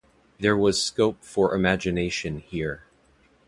There was scope for imagination here.